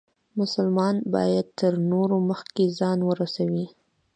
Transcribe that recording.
مسلمان باید تر نورو مخکې ځان ورورسوي.